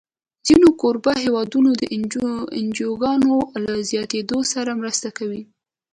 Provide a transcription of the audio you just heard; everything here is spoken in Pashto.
ځینې کوربه هېوادونه د انجوګانو له زیاتېدو سره مرسته کوي.